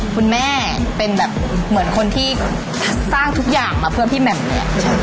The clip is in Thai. คุณแม่เป็นคนที่สร้างทุกอย่างมาเพื่อพี่แหม่มแหละ